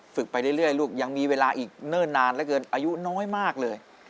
ไปเรื่อยลูกยังมีเวลาอีกเนิ่นนานเหลือเกินอายุน้อยมากเลย